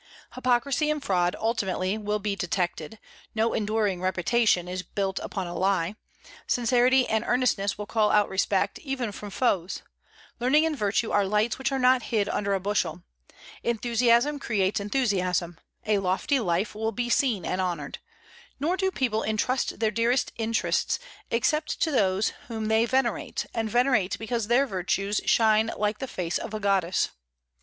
Hypocrisy and fraud ultimately will be detected; no enduring reputation is built upon a lie; sincerity and earnestness will call out respect, even from foes; learning and virtue are lights which are not hid under a bushel. Enthusiasm creates enthusiasm; a lofty life will be seen and honored. Nor do people intrust their dearest interests except to those whom they venerate, and venerate because their virtues shine like the face of a goddess.